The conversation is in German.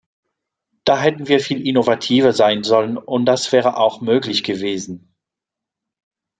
Da hätten wir viel innovativer sein sollen, und das wäre auch möglich gewesen.